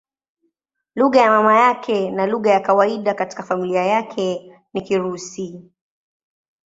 Lugha ya mama yake na lugha ya kawaida katika familia yake ni Kirusi.